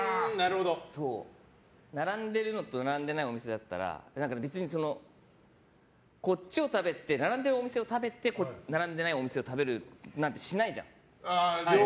並んでるのと並んでないお店だったら別に並んでいるお店を食べて並んでないお店を食べるなんてしないじゃん。